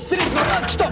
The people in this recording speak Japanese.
あっちょっと！